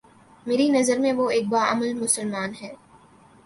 میری نظر میں وہ ایک با عمل مسلمان ہے